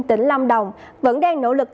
tỉnh lâm đồng vẫn đang nỗ lực